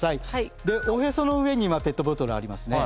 おへその上にペットボトルありますね。